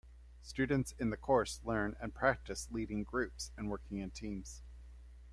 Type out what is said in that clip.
Students in the course learn and practice leading groups and working in teams.